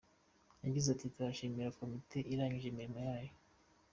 Yagize ati “Turashimira komite irangije imirimo yayo.